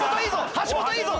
橋本いいぞ！